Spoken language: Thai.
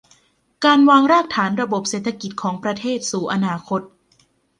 การวางรากฐานระบบเศรษฐกิจของประเทศสู่อนาคต